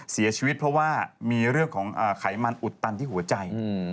เสียชีวิตเพราะว่ามีเรื่องของไขมันอุดตันที่หัวใจ